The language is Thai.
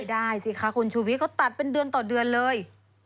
ได้สิคะคุณชูวิทย์เขาตัดเป็นเดือนต่อเดือนเลย